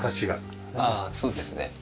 ああそうですね。